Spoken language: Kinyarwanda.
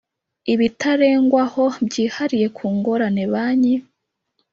Ibitarengwaho byihariye ku ngorane banki